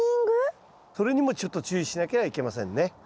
それにもちょっと注意しなけりゃいけませんね。